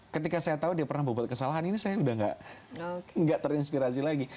ketika saya tahu dia pernah membuat kesalahan ini saya udah gak terinspirasi lagi